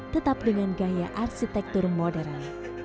tetap dengan gaya arsitektur modern